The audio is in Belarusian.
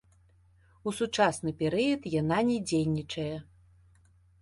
У сучасны перыяд яна не дзейнічае.